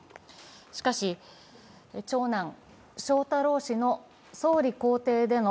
しかし長男、翔太郎氏の総理公邸での